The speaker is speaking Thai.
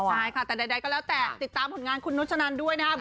ใช่ค่ะแต่ใดก็แล้วแต่ติดตามผลงานคุณนุชนันด้วยนะครับ